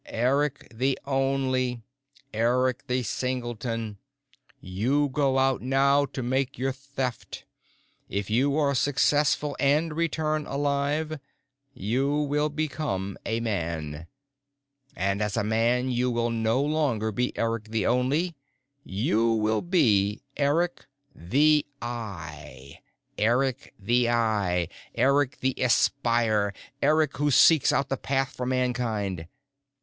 "Eric the Only, Eric the Singleton, you go out now to make your Theft. If you are successful and return alive, you will become a man. And as a man you will no longer be Eric the Only, you will be Eric the Eye. Eric the Eye, Eric the Espier, Eric who seeks out the path for Mankind.